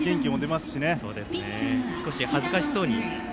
少し恥ずかしそうに。